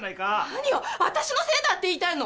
何よ私のせいだって言いたいの？